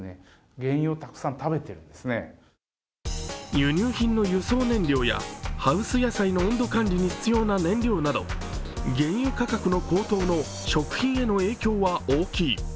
輸入品の輸送燃料やハウス野菜の温度管理に必要な原油価格の高騰の食品への影響は大きい。